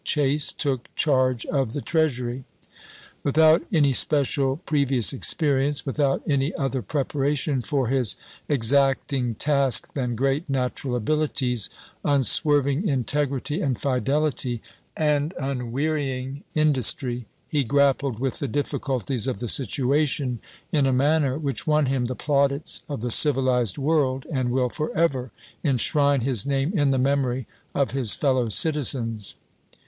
Chase took charge of the Treasury. Without any special pre vious experience, without any other preparation for his exacting task than great natural abilities, un swerving integrity and fidelity, and unwearying industry, he grappled with the difficultie"fe of the situation in a manner which won him the plaudits of the civilized world and will forever enshrine his name in the memory of his fellow citizens.